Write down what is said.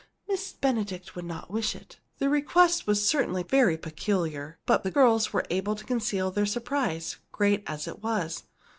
Miss Benedict would not wish it." The request was certainly very peculiar, but the girls were able to conceal their surprise, great as it was.